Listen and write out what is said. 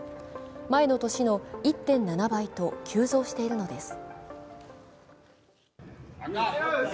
前の年の１．７倍と急増しているのです。